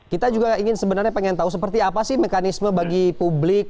kita juga ingin sebenarnya pengen tahu seperti apa sih mekanisme bagi publik